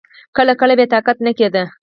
کله کله به يې طاقت نه کېده.